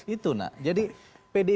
itu nak jadi pdi